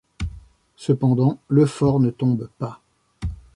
Cependant le fort ne tombe pas.